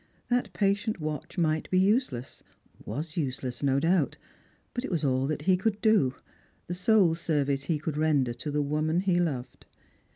That patient watch might be useless — was useless no doubt — biit it was all that he could do ; the sole ser vice he could render to the woman he loved.